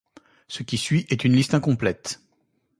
Ce qui suit est une liste incomplète.